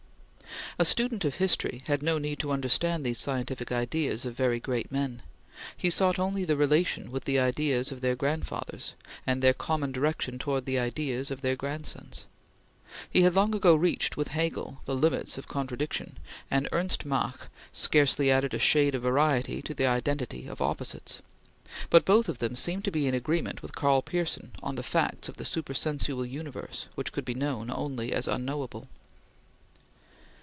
A student of history had no need to understand these scientific ideas of very great men; he sought only the relation with the ideas of their grandfathers, and their common direction towards the ideas of their grandsons. He had long ago reached, with Hegel, the limits of contradiction; and Ernst Mach scarcely added a shade of variety to the identity of opposites; but both of them seemed to be in agreement with Karl Pearson on the facts of the supersensual universe which could be known only as unknowable.